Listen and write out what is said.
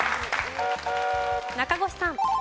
中越さん。